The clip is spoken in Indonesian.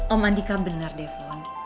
om andika benar devon